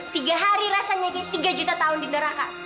tiga hari rasanya ini tiga juta tahun di neraka